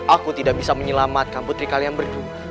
aku tidak bisa menyelamatkan putri kalian berdua